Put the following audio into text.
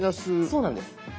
そうなんです。